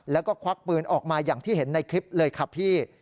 แล้วก็ควักปืนออกมาอย่างที่เห็นในคลิปเลยค่ะพี่